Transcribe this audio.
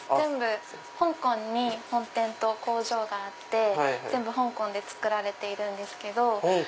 香港に本店と工場があって全部香港で作られているんですけど。